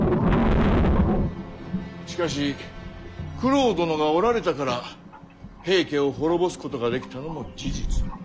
しかし九郎殿がおられたから平家を滅ぼすことができたのも事実。